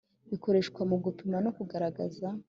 bikoreshwa mu gupima no kugaragaza